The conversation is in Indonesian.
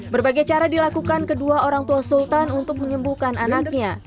berbagai cara dilakukan kedua orang tua sultan untuk menyembuhkan anaknya